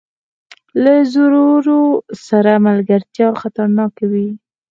له زورور سره ملګرتیا خطرناکه وي.